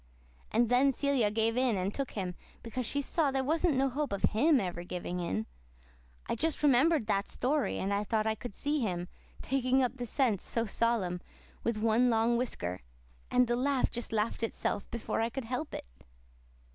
And then Celia gave in and took him, because she saw there wasn't no hope of HIM ever giving in. I just remembered that story, and I thought I could see him, taking up the cents so solemn, with one long whisker; and the laugh just laughed itself before I could help it."